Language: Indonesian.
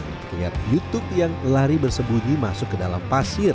kita lihat jutuk yang lari bersembunyi masuk ke dalam pasir